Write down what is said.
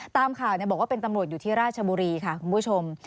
ตามข่าวบอกว่าเป็นตำรวจอยู่ที่ราชบุรีค่ะคุณผู้ชม